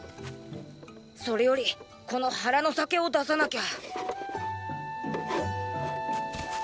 それよりこの腹の酒を出さなきゃ。